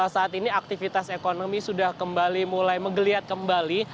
saat ini aktivitas ekonomi sudah kembali mulai menggeliat kembali